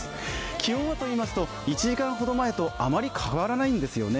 気温はといいますと１時間ほど前とあまり変わらないんですよね。